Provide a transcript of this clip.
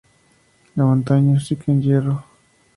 La montaña es rica en hierro.